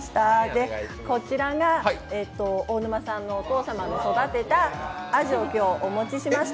こちらが、大沼さんのお父様がそだてたあじを今日お持ちしました。